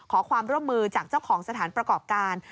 ขอความร่วมมือจากเจ้าของสถานประกอบการ